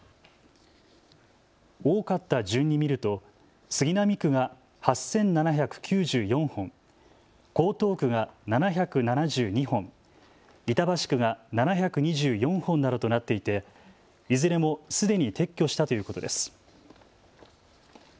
多かった順に見ると杉並区が８７９４本、江東区が７７２本、板橋区が７２４本などとなっていていずれもすでに撤去したということです。